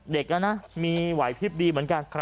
เด็กนอน่ะมีวัยพลิบดีเหมือนกัน